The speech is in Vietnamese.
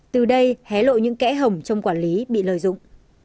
từ đây hé lộ những kẽ hở trong quản lý bị lợi dụng